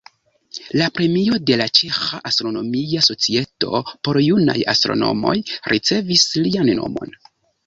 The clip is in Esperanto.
La premio de la Ĉeĥa Astronomia Societo por junaj astronomoj ricevis lian nomon.